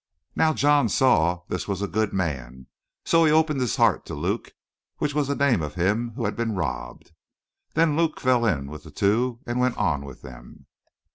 "Now John saw this was a good man, so he opened his heart to Luke, which was the name of him who had been robbed. Then Luke fell in with the two and went on with them.